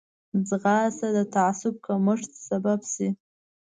ځغاسته د تعصب کمښت سبب شي